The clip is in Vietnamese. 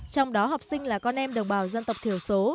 trong đó học sinh là con em đồng bào dân tộc thiểu số